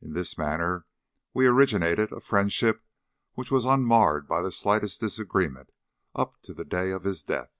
In this manner we originated a friendship which was unmarred by the slightest disagreement up to the day of his death.